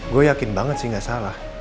gue yakin banget sih gak salah